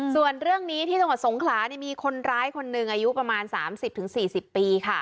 ส่วนเรื่องนี้ที่ตรงกับสงขลานี่มีคนร้ายคนหนึ่งอายุประมาณสามสิบถึงสี่สิบปีค่ะ